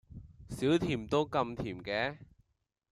少甜都咁甜嘅？